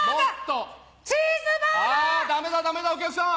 あダメだダメだお客さん。